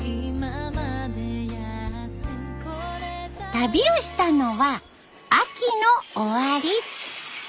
旅をしたのは秋の終わり。